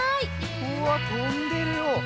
うわっとんでるよ。